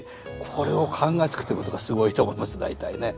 これを考えつくっていうことがすごいと思います大体ね。